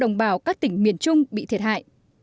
đồng bào các tỉnh miền trung bị thiệt hại